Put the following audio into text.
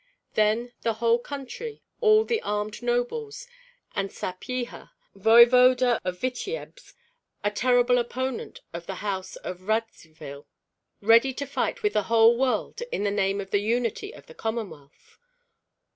Then the whole country, all the armed nobles, and Sapyeha, voevoda of Vityebsk, a terrible opponent of the house of Radzivill, ready to fight with the whole world in the name of the unity of the Commonwealth?